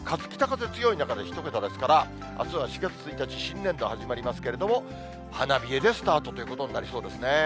北風強い中で１桁ですから、あすは４月１日、新年度始まりますけれども、花冷えでスタートということになりそうですね。